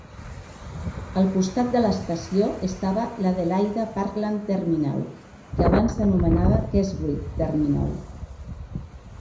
Al costat de l'estació estava l'Adelaide Parklands Terminal, que abans s'anomenava Keswick Terminal.